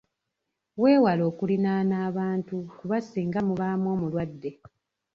Weewale okulinaana abantu kuba singa mubaamu omulwadde.